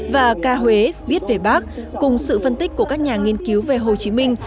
và ca huế viết về bác cùng sự phân tích của các nhà nghiên cứu về hồ chí minh